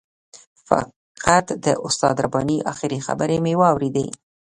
فقط د استاد رباني آخري خبرې مې واورېدې.